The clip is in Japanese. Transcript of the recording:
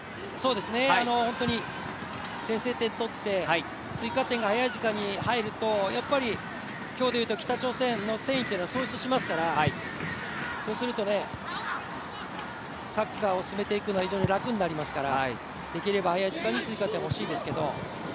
本当に先制点取って、追加点が早い時間に入るとやっぱり北朝鮮の戦意というのは喪失しますからそうするとサッカーを進めていくのは非常に楽になりますから、できれば早い時間に追加点が欲しいですけど。